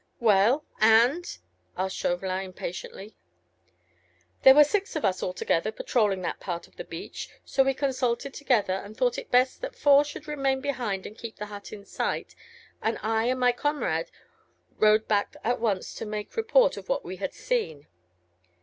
"Well?—and?" asked Chauvelin, impatiently. "There were six of us altogether, patrolling that part of the beach, so we consulted together, and thought it best that four should remain behind and keep the hut in sight, and I and my comrade rode back at once to make report of what we had seen."